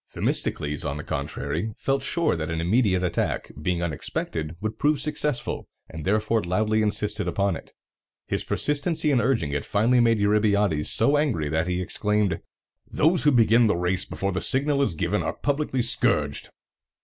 Themistocles, on the contrary, felt sure that an immediate attack, being unexpected, would prove successful, and therefore loudly insisted upon it. His persistency in urging it finally made Eurybiades so angry that he exclaimed, "Those who begin the race before the signal is given are publicly scourged!"